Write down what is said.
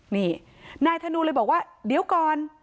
นี่นายธนูเลยบอกว่าเดี๋ยวก่อน